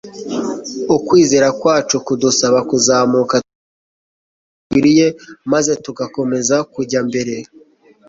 ukwizera kwacu kudusaba kuzamuka tukagera ku rugero rukwiriye, maze tugakomeza kujya mbere